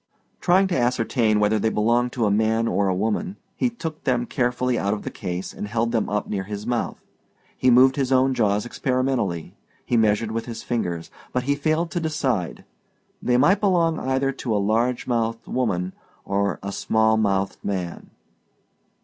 Trying to ascertain whether they belonged to a man or a woman, he took them carefully out of the case and held them up near his mouth. He moved his own jaws experimentally; he measured with his fingers; but he failed to decide: they might belong either to a large mouthed woman or a small mouthed man.